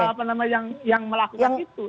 apa namanya yang melakukan itu